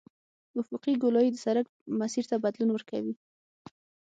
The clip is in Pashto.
افقي ګولایي د سرک مسیر ته بدلون ورکوي